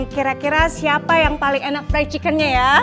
kira kira siapa yang paling enak free chickennya ya